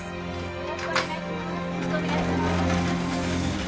よろしくお願いします。